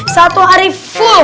satu hari full